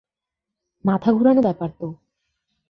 মাথা ঘুরানো ব্যাপার তো।